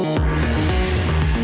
ngetekan buat berapa lama